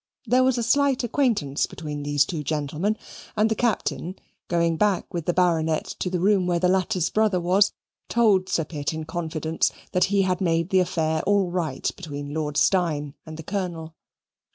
There was a slight acquaintance between these two gentlemen, and the Captain, going back with the Baronet to the room where the latter's brother was, told Sir Pitt, in confidence, that he had made the affair all right between Lord Steyne and the Colonel.